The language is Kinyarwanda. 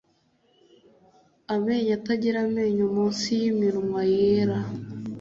amenyo atagira amenyo munsi yiminwa yera